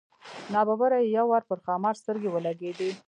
نا ببره یې یو وار پر ښامار سترګې ولګېدې.